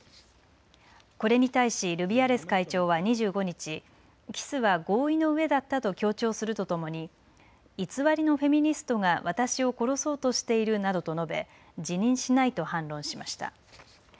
これに対しルビアレス会長は２５日、キスは合意の上だったと強調するとともに偽りのフェミニストが私を殺そうとしているなどと述べ辞任しないと反論しました。